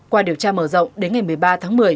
qua điều tra mở rộng đến ngày một mươi ba tháng một mươi